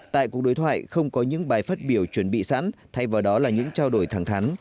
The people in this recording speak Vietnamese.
tại cuộc đối thoại không có những bài phát biểu chuẩn bị sẵn thay vào đó là những trao đổi thẳng thắn